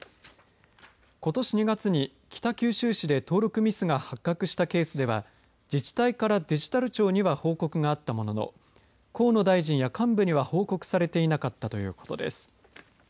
ことし２月に北九州市で登録ミスが発覚したケースでは自治体からデジタル庁には報告があったものの河野大臣や幹部には報告されていなかったということです。